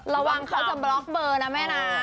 ระวังเขาจะบล็อกเบอร์นะแม่นะ